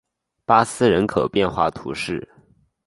巴斯人口变化图示